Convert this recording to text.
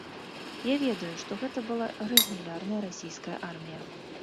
Я ведаю, што гэта была рэгулярная расійская армія.